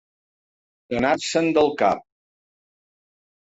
Anar-se'n del cap.